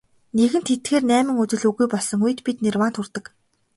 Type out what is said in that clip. Нэгэнт эдгээр найман үзэл үгүй болсон үед бид нирваанд хүрдэг.